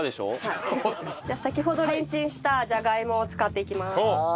先ほどレンチンしたじゃがいもを使っていきます。